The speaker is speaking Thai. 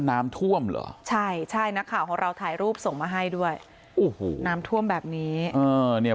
นักข่าวของเราถ่ายรูปส่งมาให้ด้วยน้ำท่วมแบบนี้เออเนี่ย